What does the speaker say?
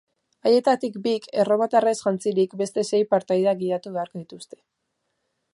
Haietatik bik, erromatarrez jantzirik, beste sei partaideak gidatu beharko dituzte.